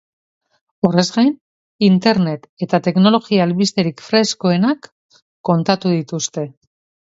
Horrez gain, internet eta teknologia albisterik freskoenak kontatu dituzte.